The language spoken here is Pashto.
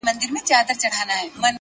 وخت د حقیقت تر ټولو وفادار شاهد دی,